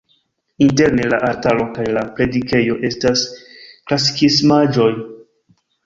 Interne la altaro kaj la predikejo estas klasikismaĵoj.